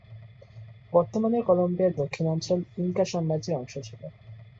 বর্তমানের কলম্বিয়ার দক্ষিণাঞ্চল ইনকা সাম্রাজ্যের অংশ ছিল।